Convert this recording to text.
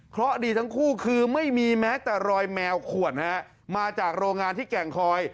เพราะดีทั้งคู่คือไม่มีแม้แต่รอยแมวขวดฮะมาจากโรงงานที่แก่งคอย